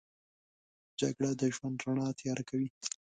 جګړه د ژوند رڼا تیاره کوي